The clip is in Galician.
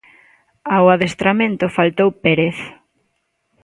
Ao adestramento faltou Pérez.